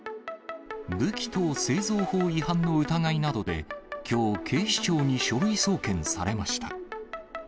武器等製造法違反などの疑いで、きょう、警視庁に書類送検されました。